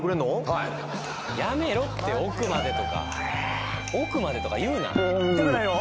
はいやめろって「奥まで」とか「奥まで」とか言うな痛くないの？